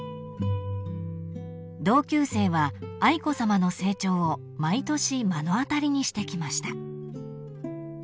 ［同級生は愛子さまの成長を毎年目の当たりにしてきました］